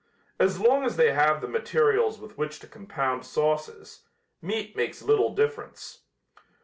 As long as they have the materials with which to compound sauces, meat makes little difference.